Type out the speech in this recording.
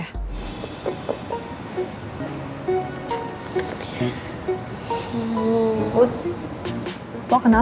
bukannya mereka sering banget berantem ya